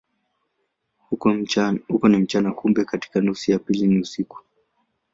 Huko ni mchana, kumbe katika nusu ya pili ni usiku.